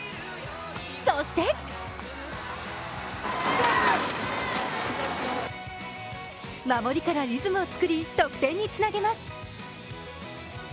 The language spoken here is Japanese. そして守りからリズムを作り、得点につなげます。